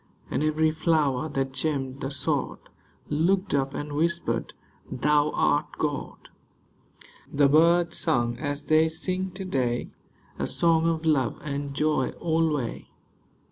And every flower that gemmed the sod Looked up and whispered, " Thou art God." The birds sung as they sing to day, A song of love and joy alway.